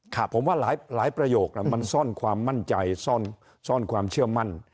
ค่ะค่ะผมว่าหลายหลายประโยคน่ะมันซ่อนความมั่นใจซ่อนซ่อนความเชื่อมั่น